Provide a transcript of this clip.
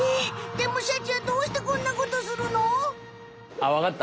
でもシャチはどうしてこんなことするの？あっわかった。